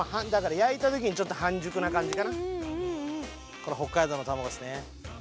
これ北海道の卵ですね。